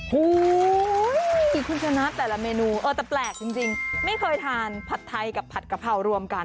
โหขอบคุณแชมป์จำนัดแต่ละเมนูแต่แปลกจริงไม่เคยทานผัดไทยกับผัดกะเพราร่วมกัน